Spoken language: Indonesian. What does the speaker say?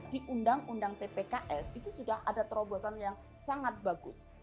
di undang undang tpks itu sudah ada terobosan yang sangat bagus